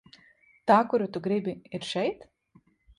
Tā kuru tu gribi, ir šeit?